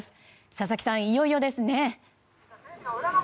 佐々木さん、いよいよですね。